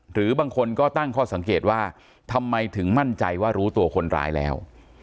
หรือบางคนก็ตั้งข้อสังเกตว่าทำไมถึงมั่นใจว่ารู้ตัวคนร้ายแล้ว